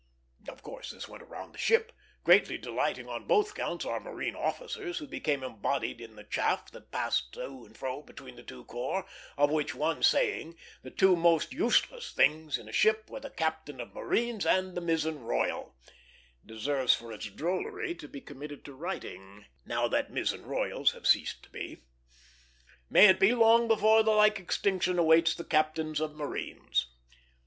'" Of course, this went round the ship, greatly delighting on both counts our marine officers, and became embodied in the chaff that passed to and fro between the two corps; of which one saying, "The two most useless things in a ship were the captain of marines and the mizzen royal," deserves for its drollery to be committed to writing, now that mizzen royals have ceased to be. May it be long before the like extinction awaits the captains of marines!